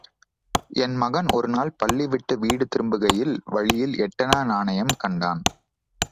என் மகன் ஒருநாள் பள்ளிவிட்டு வீடு திரும்புகையில் வழியில் எட்டனா நாணயம் கண்டான்.